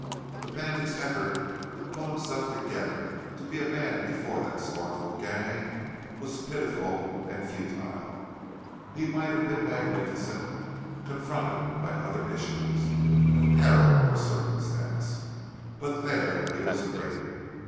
The bandit's effort to pull himself together, to be a man before that scornful gang, was pitiful and futile. He might have been magnificent, confronted by other issues, of peril or circumstance, but there he was craven.